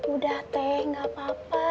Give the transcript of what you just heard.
udah teh gapapa